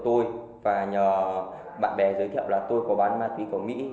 tôi có đăng tải các thông tin về ma túy của tôi và nhờ bạn bè giới thiệu là tôi có bán ma túy cỏ mỹ